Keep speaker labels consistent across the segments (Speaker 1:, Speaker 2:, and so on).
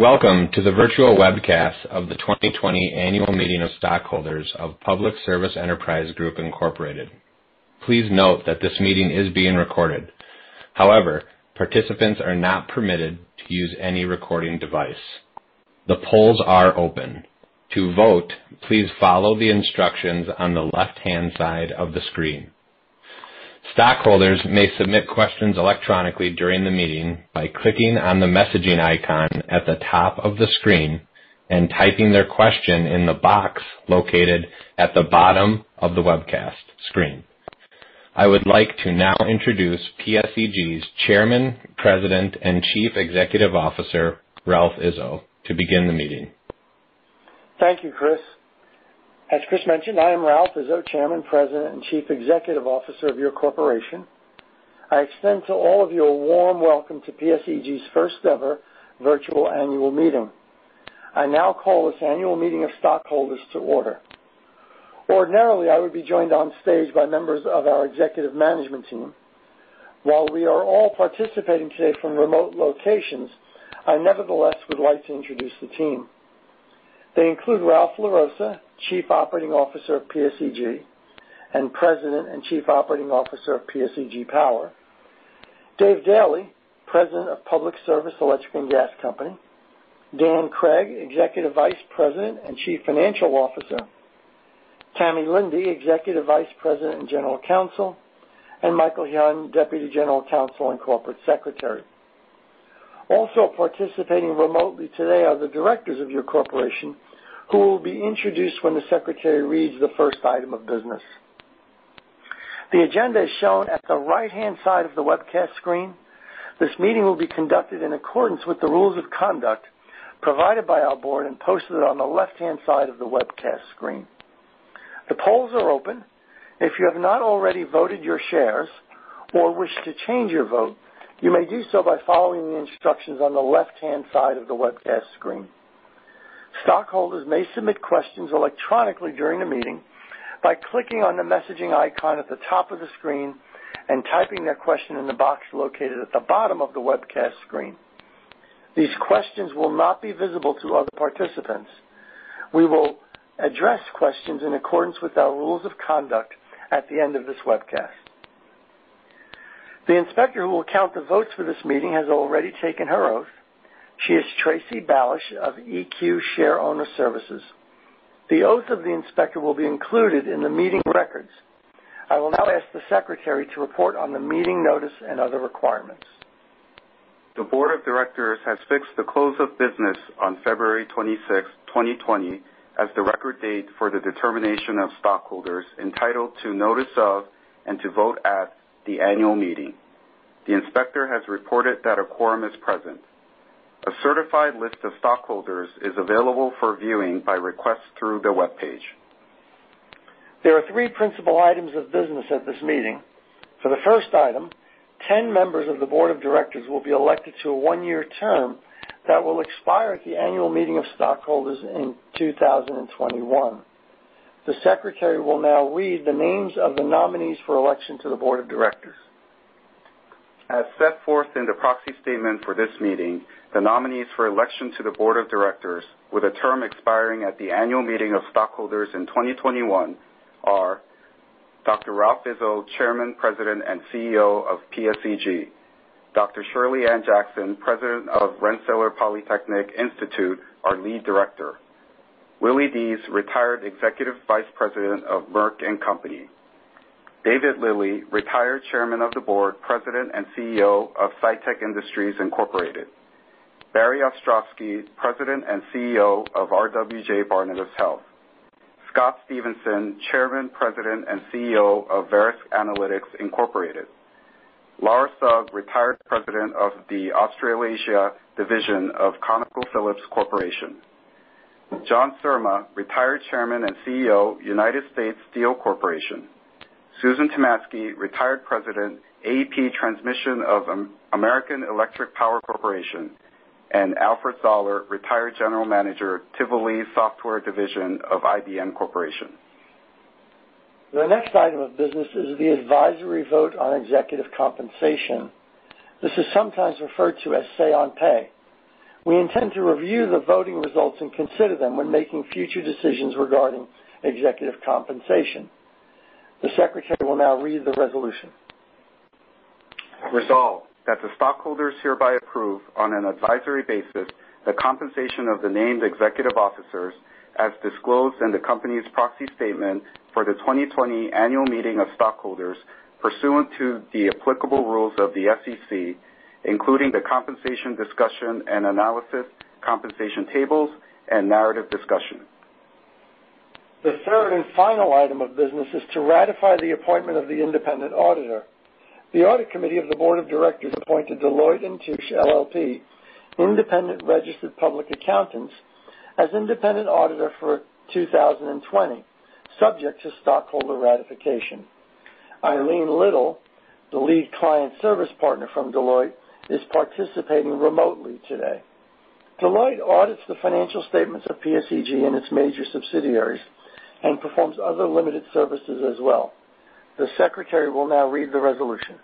Speaker 1: Welcome to the Virtual Webcast of the 2020 Annual Meeting of Stockholders of Public Service Enterprise Group Incorporated. Please note that this meeting is being recorded. Participants are not permitted to use any recording device. The polls are open. To vote, please follow the instructions on the left-hand side of the screen. Stockholders may submit questions electronically during the meeting by clicking on the messaging icon at the top of the screen and typing their question in the box located at the bottom of the webcast screen. I would like to now introduce PSEG's Chairman, President, and Chief Executive Officer, Ralph Izzo, to begin the meeting.
Speaker 2: Thank you, Chris. As Chris mentioned, I am Ralph Izzo, Chairman, President, and Chief Executive Officer of your corporation. I extend to all of you a warm welcome to PSEG's first-ever virtual annual meeting. I now call this annual meeting of stockholders to order. Ordinarily, I would be joined on stage by members of our executive management team. While we are all participating today from remote locations, I nevertheless would like to introduce the team. They include Ralph LaRossa, Chief Operating Officer of PSEG and President and Chief Operating Officer of PSEG Power, Dave Daly, President of Public Service Electric and Gas Company, Dan Cregg, Executive Vice President and Chief Financial Officer, Tamy Linde, Executive Vice President and General Counsel, and Michael Hyun, Deputy General Counsel and Corporate Secretary. Also participating remotely today are the directors of your corporation, who will be introduced when the secretary reads the first item of business. The agenda is shown at the right-hand side of the webcast screen. This meeting will be conducted in accordance with the rules of conduct provided by our board and posted on the left-hand side of the webcast screen. The polls are open. If you have not already voted your shares or wish to change your vote, you may do so by following the instructions on the left-hand side of the webcast screen. Stockholders may submit questions electronically during the meeting by clicking on the messaging icon at the top of the screen and typing their question in the box located at the bottom of the webcast screen. These questions will not be visible to other participants. We will address questions in accordance with our rules of conduct at the end of this webcast. The inspector who will count the votes for this meeting has already taken her oath. She is Tracy Balch of EQ Shareowner Services. The oath of the inspector will be included in the meeting records. I will now ask the Secretary to report on the meeting notice and other requirements.
Speaker 3: The board of directors has fixed the close of business on February 26th, 2020, as the record date for the determination of stockholders entitled to notice of and to vote at the annual meeting. The inspector has reported that a quorum is present. A certified list of stockholders is available for viewing by request through the webpage.
Speaker 2: There are three principal items of business at this meeting. For the first item, 10 members of the board of directors will be elected to a one-year term that will expire at the annual meeting of stockholders in 2021. The Secretary will now read the names of the nominees for election to the board of directors.
Speaker 3: As set forth in the proxy statement for this meeting, the nominees for election to the board of directors with a term expiring at the annual meeting of stockholders in 2021 are Dr. Ralph Izzo, Chairman, President, and CEO of PSEG, Dr. Shirley Ann Jackson, President of Rensselaer Polytechnic Institute, our Lead Director, Willie Deese, Retired Executive Vice President of Merck & Company, David Lilley, Retired Chairman of the Board, President, and CEO of Cytec Industries Incorporated, Barry Ostrowsky, President and CEO of RWJBarnabas Health, Scott Stephenson, Chairman, President, and CEO of Verisk Analytics Incorporated, Laura Sugg, Retired President of the Australasia Division of ConocoPhillips Corporation, John Surma, Retired Chairman and CEO, United States Steel Corporation, Susan Tomasky, Retired President, AEP Transmission of American Electric Power Corporation, and Alfred Zollar, Retired General Manager, Tivoli Software division of IBM Corporation.
Speaker 2: The next item of business is the advisory vote on executive compensation. This is sometimes referred to as say on pay. We intend to review the voting results and consider them when making future decisions regarding executive compensation. The Secretary will now read the resolution.
Speaker 3: Resolved that the stockholders hereby approve, on an advisory basis, the compensation of the named executive officers as disclosed in the company's proxy statement for the 2020 annual meeting of stockholders pursuant to the applicable rules of the SEC, including the compensation discussion and analysis, compensation tables, and narrative discussion.
Speaker 2: The third and final item of business is to ratify the appointment of the independent auditor. The audit committee of the board of directors appointed Deloitte & Touche LLP, independent registered public accountants as independent auditor for 2020, subject to stockholder ratification. Eileen Little, the Lead Client Service Partner from Deloitte, is participating remotely today. Deloitte audits the financial statements of PSEG and its major subsidiaries and performs other limited services as well. The Secretary will now read the resolution.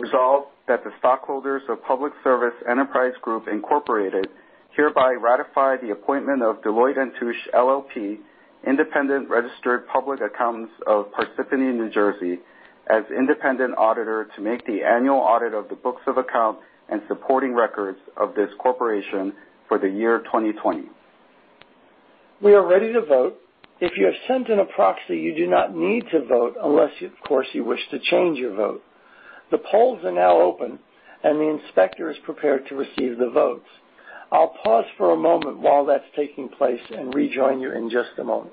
Speaker 3: Resolved that the stockholders of Public Service Enterprise Group Incorporated hereby ratify the appointment of Deloitte & Touche LLP, independent registered public accountants of Parsippany, New Jersey, as independent auditor to make the annual audit of the books of account and supporting records of this corporation for the year 2020.
Speaker 2: We are ready to vote. If you have sent in a proxy, you do not need to vote unless, of course, you wish to change your vote. The polls are now open, and the inspector is prepared to receive the votes. I'll pause for a moment while that's taking place and rejoin you in just a moment.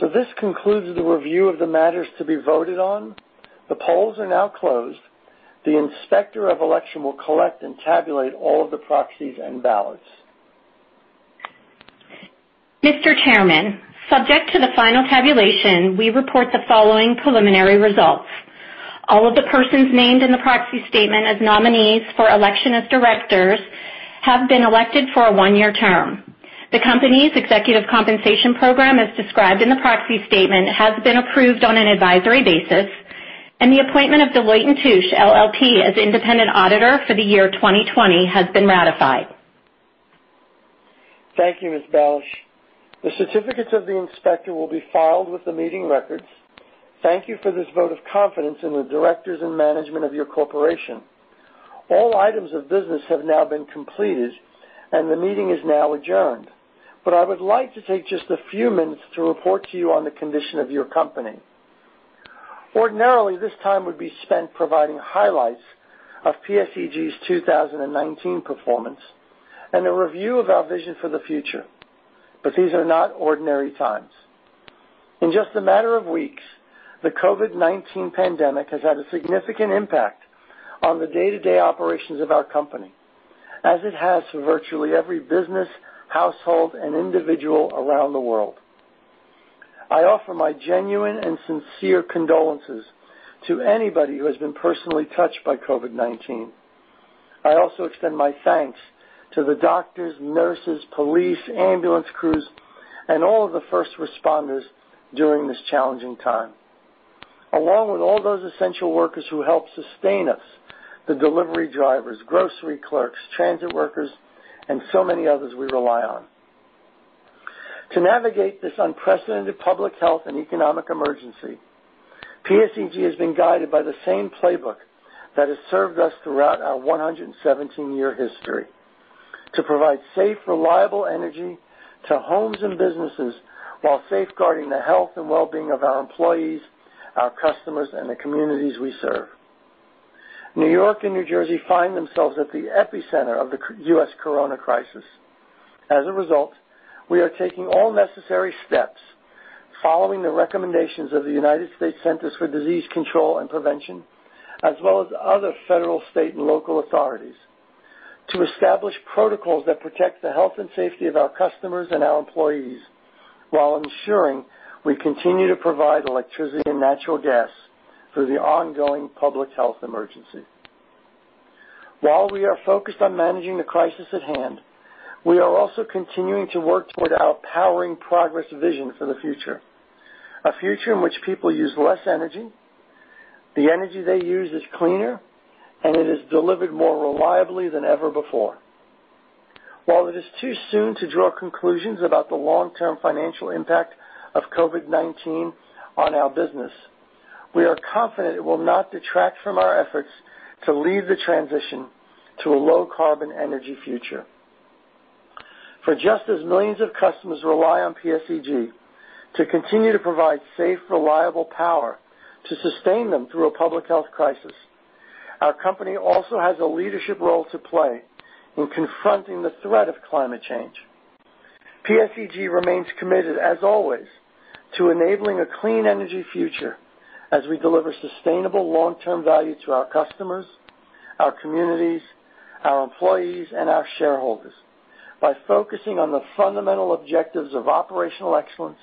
Speaker 2: This concludes the review of the matters to be voted on. The polls are now closed. The Inspector of Election will collect and tabulate all of the proxies and ballots.
Speaker 4: Mr. Chairman, subject to the final tabulation, we report the following preliminary results. All of the persons named in the proxy statement as nominees for election as directors have been elected for a one-year term. The company's executive compensation program, as described in the proxy statement, has been approved on an advisory basis, and the appointment of Deloitte & Touche LLP as independent auditor for the year 2020 has been ratified.
Speaker 2: Thank you, Ms. Balch. The certificates of the inspector will be filed with the meeting records. Thank you for this vote of confidence in the directors and management of your corporation. All items of business have now been completed, and the meeting is now adjourned. I would like to take just a few minutes to report to you on the condition of your company. Ordinarily, this time would be spent providing highlights of PSEG's 2019 performance and a review of our vision for the future, but these are not ordinary times. In just a matter of weeks, the COVID-19 pandemic has had a significant impact on the day-to-day operations of our company, as it has for virtually every business, household, and individual around the world. I offer my genuine and sincere condolences to anybody who has been personally touched by COVID-19. I also extend my thanks to the doctors, nurses, police, ambulance crews, and all of the first responders during this challenging time, along with all those essential workers who help sustain us, the delivery drivers, grocery clerks, transit workers, and so many others we rely on. To navigate this unprecedented public health and economic emergency, PSEG has been guided by the same playbook that has served us throughout our 117-year history to provide safe, reliable energy to homes and businesses while safeguarding the health and well-being of our employees, our customers, and the communities we serve. New York and New Jersey find themselves at the epicenter of the U.S. corona crisis. As a result, we are taking all necessary steps following the recommendations of the United States Centers for Disease Control and Prevention, as well as other federal, state, and local authorities, to establish protocols that protect the health and safety of our customers and our employees while ensuring we continue to provide electricity and natural gas through the ongoing public health emergency. While we are focused on managing the crisis at hand, we are also continuing to work toward our powering progress vision for the future, a future in which people use less energy, the energy they use is cleaner, and it is delivered more reliably than ever before. While it is too soon to draw conclusions about the long-term financial impact of COVID-19 on our business, we are confident it will not detract from our efforts to lead the transition to a low-carbon energy future. For just as millions of customers rely on PSEG to continue to provide safe, reliable power to sustain them through a public health crisis, our company also has a leadership role to play in confronting the threat of climate change. PSEG remains committed, as always, to enabling a clean energy future as we deliver sustainable long-term value to our customers, our communities, our employees, and our shareholders by focusing on the fundamental objectives of operational excellence,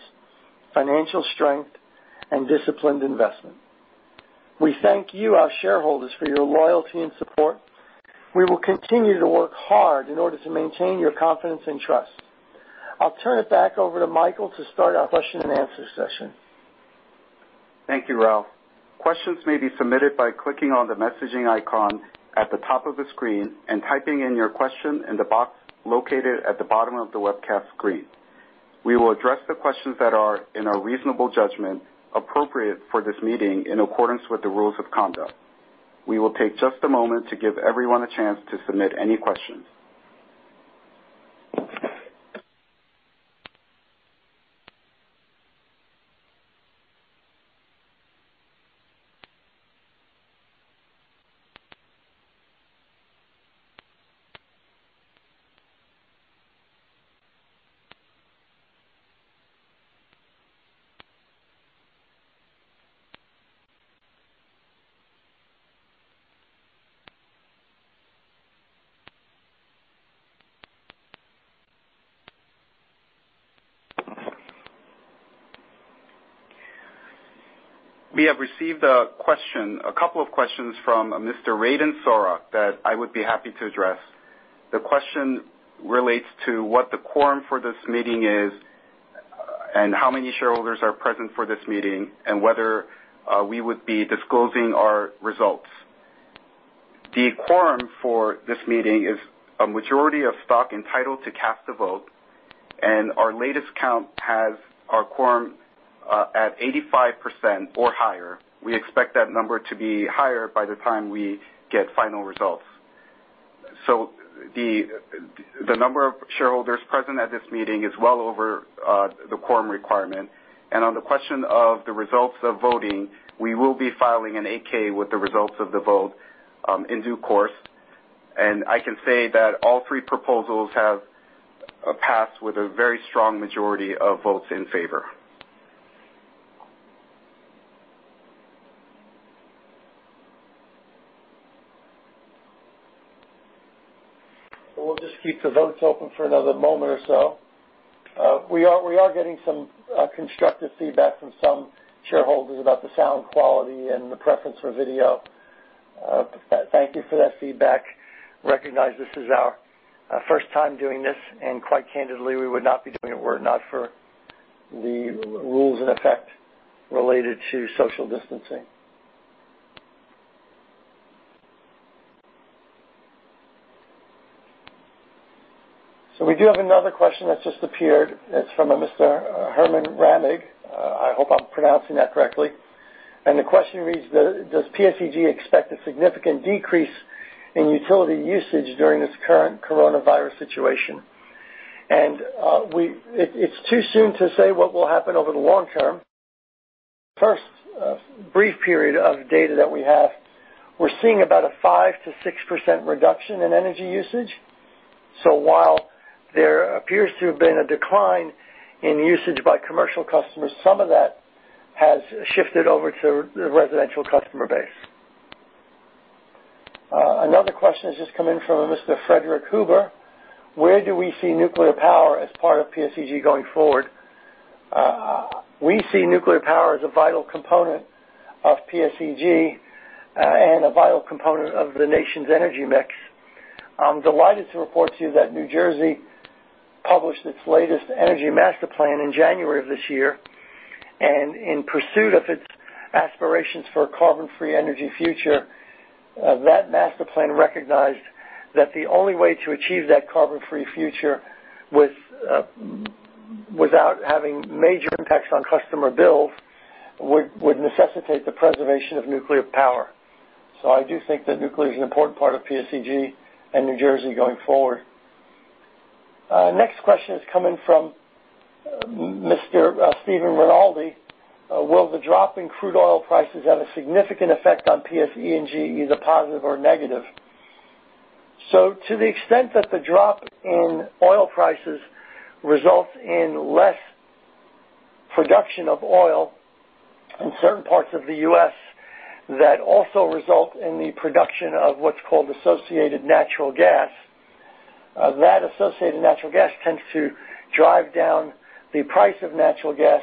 Speaker 2: financial strength, and disciplined investment. We thank you, our shareholders, for your loyalty and support. We will continue to work hard in order to maintain your confidence and trust. I'll turn it back over to Michael to start our question and answer session.
Speaker 3: Thank you, Ralph. Questions may be submitted by clicking on the messaging icon at the top of the screen and typing in your question in the box located at the bottom of the webcast screen. We will address the questions that are, in our reasonable judgment, appropriate for this meeting in accordance with the rules of conduct. We will take just a moment to give everyone a chance to submit any questions. We have received a couple of questions from Mr. Raden Sorak that I would be happy to address. The question relates to what the quorum for this meeting is, and how many shareholders are present for this meeting, and whether we would be disclosing our results. The quorum for this meeting is a majority of stock entitled to cast a vote, and our latest count has our quorum at 85% or higher. We expect that number to be higher by the time we get final results. The number of shareholders present at this meeting is well over the quorum requirement. On the question of the results of voting, we will be filing an 8-K with the results of the vote in due course, and I can say that all three proposals have passed with a very strong majority of votes in favor.
Speaker 2: We'll just keep the votes open for another moment or so. We are getting some constructive feedback from some shareholders about the sound quality and the preference for video. Thank you for that feedback. Recognize this is our first time doing this, and quite candidly, we would not be doing it, were it not for the rules in effect related to social distancing. We do have another question that's just appeared. It's from a Mr. Herman Ramig. I hope I'm pronouncing that correctly. The question reads, "Does PSEG expect a significant decrease in utility usage during this current coronavirus situation?" It's too soon to say what will happen over the long term. First, brief period of data that we have, we're seeing about a 5%-6% reduction in energy usage. While there appears to have been a decline in usage by commercial customers, some of that has shifted over to the residential customer base. Another question has just come in from a Mr. Frederick Huber. "Where do we see nuclear power as part of PSEG going forward?" We see nuclear power as a vital component of PSEG and a vital component of the nation's energy mix. I'm delighted to report to you that New Jersey published its latest energy master plan in January of this year. In pursuit of its aspirations for a carbon-free energy future, that master plan recognized that the only way to achieve that carbon-free future without having major impacts on customer bills, would necessitate the preservation of nuclear power. I do think that nuclear is an important part of PSEG and New Jersey going forward. Next question is coming from Mr. Steven Rinaldi. Will the drop in crude oil prices have a significant effect on PSEG, either positive or negative?" To the extent that the drop in oil prices results in less production of oil in certain parts of the U.S., that also result in the production of what's called associated natural gas. That associated natural gas tends to drive down the price of natural gas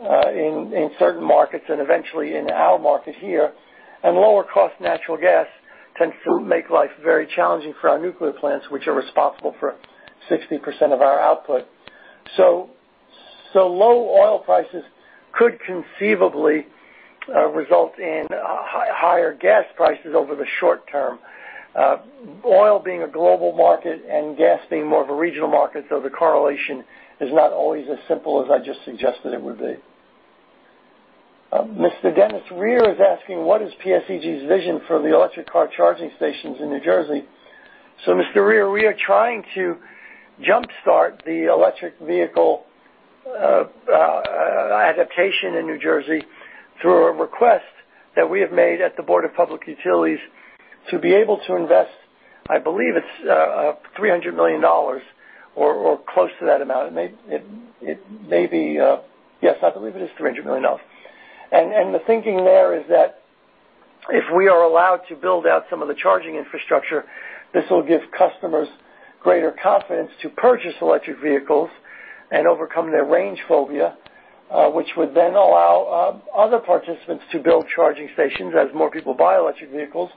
Speaker 2: in certain markets and eventually in our market here, and lower cost natural gas tends to make life very challenging for our nuclear plants, which are responsible for 60% of our output. Low oil prices could conceivably result in higher gas prices over the short term. Oil being a global market and gas being more of a regional market, though the correlation is not always as simple as I just suggested it would be. Mr. Dennis Rear is asking, "What is PSEG's vision for the electric car charging stations in New Jersey?" Mr. Rear, we are trying to jumpstart the electric vehicle adaptation in New Jersey through a request that we have made at the Board of Public Utilities to be able to invest, I believe it's $300 million or close to that amount. Yes, I believe it is $300 million. The thinking there is that if we are allowed to build out some of the charging infrastructure, this will give customers greater confidence to purchase electric vehicles and overcome their range phobia, which would then allow other participants to build charging stations as more people buy electric vehicles.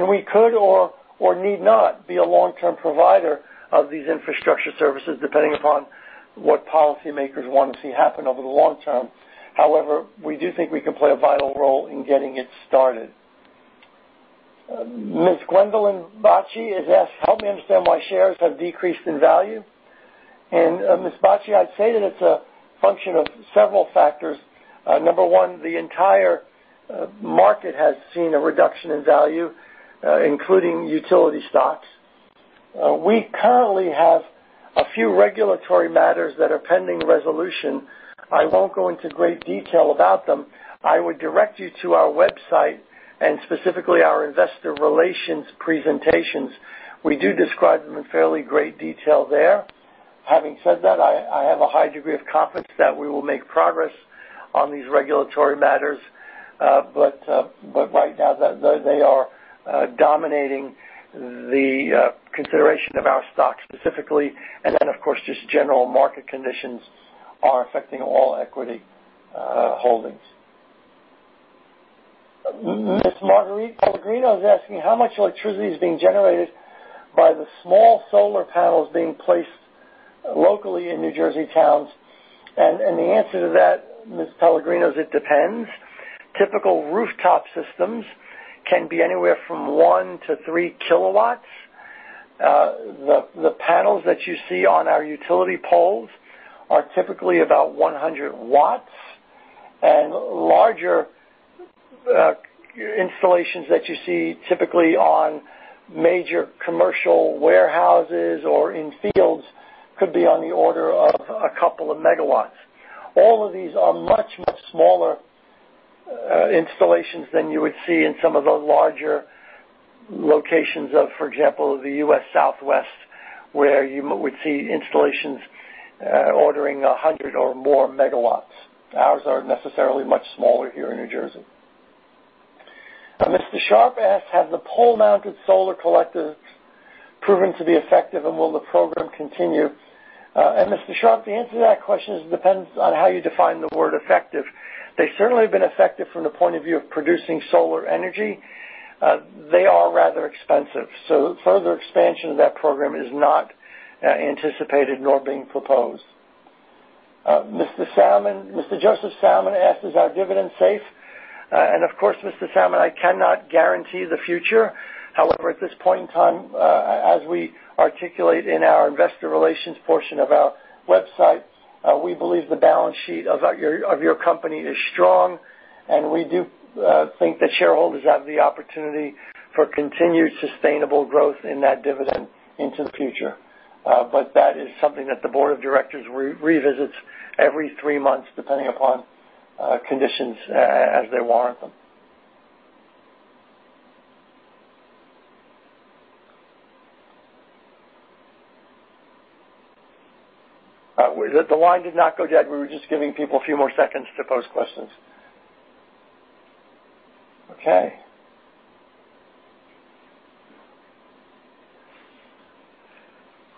Speaker 2: We could or need not be a long-term provider of these infrastructure services, depending upon what policymakers want to see happen over the long term. However, we do think we can play a vital role in getting it started. Ms. Gwendolyn Bocce has asked, "Help me understand why shares have decreased in value." Ms. Bocce, I'd say that it's a function of several factors. Number one, the entire market has seen a reduction in value, including utility stocks. We currently have a few regulatory matters that are pending resolution. I won't go into great detail about them. I would direct you to our website and specifically our investor relations presentations. We do describe them in fairly great detail there. Having said that, I have a high degree of confidence that we will make progress on these regulatory matters. Right now, they are dominating the consideration of our stock specifically, and then, of course, just general market conditions are affecting all equity holdings. Ms. Marguerite Pellegrino is asking, "How much electricity is being generated by the small solar panels being placed locally in New Jersey towns?" The answer to that, Ms. Pellegrino, is it depends. Typical rooftop systems can be anywhere from 1-3 kW. The panels that you see on our utility poles are typically about 100 W, and larger installations that you see typically on major commercial warehouses or in fields could be on the order of a couple of megawatts. All of these are much, much smaller installations than you would see in some of the larger locations of, for example, the US Southwest, where you would see installations ordering 100 or more megawatts. Ours are necessarily much smaller here in New Jersey. Mr. Sharp asks, "Have the pole-mounted solar collectors proven to be effective, and will the program continue?" Mr. Sharp, the answer to that question is it depends on how you define the word effective. They certainly have been effective from the point of view of producing solar energy. They are rather expensive, so further expansion of that program is not anticipated nor being proposed. Mr. Joseph Salmon asks, "Is our dividend safe?" Of course, Mr. Salmon, I cannot guarantee the future. However, at this point in time, as we articulate in our investor relations portion of our website, we believe the balance sheet of your company is strong, and we do think that shareholders have the opportunity for continued sustainable growth in that dividend into the future. That is something that the Board of Directors revisits every three months, depending upon conditions as they warrant them. The line did not go dead. We were just giving people a few more seconds to pose questions. Okay.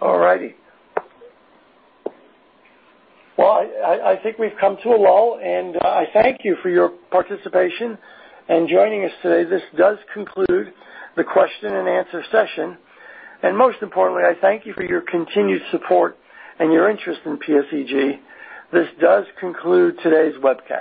Speaker 2: All righty. Well, I think we've come to a lull, and I thank you for your participation in joining us today. This does conclude the question and answer session. Most importantly, I thank you for your continued support and your interest in PSEG. This does conclude today's webcast.